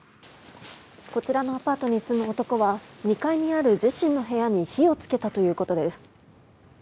こちらのアパートに住む男は２階にある自身の部屋に火を付けたということです。